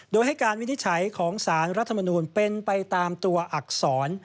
โดยให้การวินิจฉัยของสารรัฐมนูลเป็นไปตามตัวอักษร